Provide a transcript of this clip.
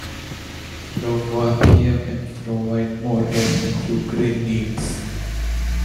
Slovakia can provide more gas than Ukraine needs.